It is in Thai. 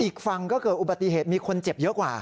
อีกฝั่งก็เกิดอุบัติเหตุมีคนเจ็บเยอะกว่า